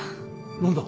何だ？